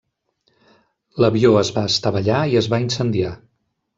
L'avió es va estavellar i es va incendiar.